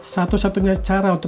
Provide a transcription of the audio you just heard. satu satunya cara untuk